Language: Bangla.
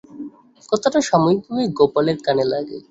কথাটা সাময়িকভাবে গোপালের কানে লাগে।